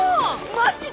マジで！？